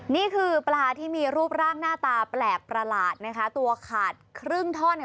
นี่คือปลาที่มีรูปร่างหน้าตาแปลกประหลาดนะคะตัวขาดครึ่งท่อนเนี่ย